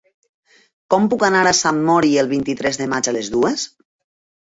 Com puc anar a Sant Mori el vint-i-tres de maig a les dues?